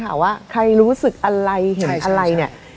ว่าใครรู้สึกอะไรเห็นอะไรเนี่ย